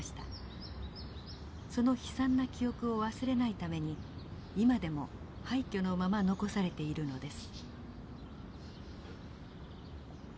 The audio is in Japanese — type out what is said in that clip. その悲惨な記憶を忘れないために今でも廃虚のまま残されているのです。